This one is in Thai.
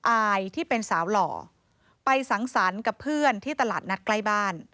อายที่เป็นสาวหล่อไปสังสรรค์กับเพื่อนที่ตลาดนัดใกล้บ้าน